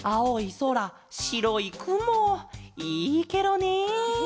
そらしろいくもいいケロね。